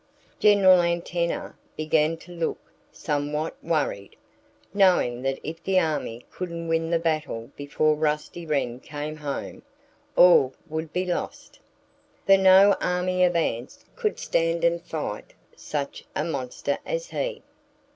General Antenna began to look somewhat worried, knowing that if the army couldn't win the battle before Rusty Wren came home, all would be lost. For no army of ants could stand and fight such a monster as he.